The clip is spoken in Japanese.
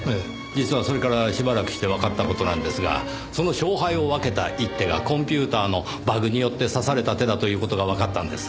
実はそれからしばらくしてわかった事なんですがその勝敗を分けた一手がコンピューターのバグによって指された手だという事がわかったんです。